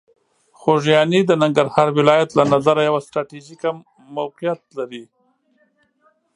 خوږیاڼي د ننګرهار ولایت له نظره یوه ستراتیژیکه موقعیت لري.